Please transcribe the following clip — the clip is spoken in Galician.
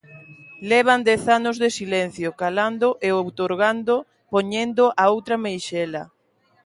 Levan dez anos de silencio, calando e outorgando, poñendo a outra meixela.